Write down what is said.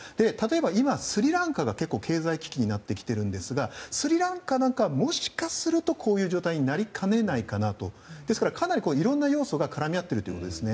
例えば今、スリランカが結構、経済危機になっていてスリランカなんかはもしかするとこういう状態になりかねないかなと。いろんな要素が絡み合っています。